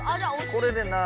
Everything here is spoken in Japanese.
これで「な」。